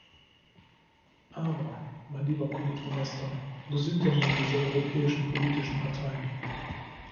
Aber, mein lieber Kollege Onesta, wo sind denn nun diese europäischen politischen Parteien?